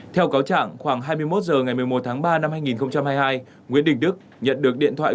theo cáo trạng khoảng hai mươi một h ngày một mươi một tháng ba năm hai nghìn hai mươi hai nguyễn đình đức nhận được điện thoại